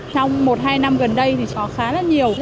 trong một hai năm gần đây thì có khá là nhiều